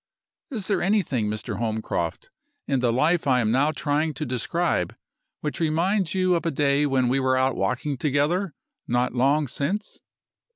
"Is there anything, Mr. Holmcroft, in the life I am now trying to describe which reminds you of a day when we were out walking together not long since?